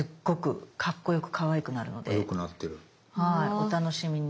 お楽しみに。